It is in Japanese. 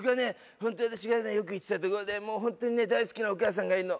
ほんと私がねよく行ってた所でもうほんとにね大好きなお母さんがいるの。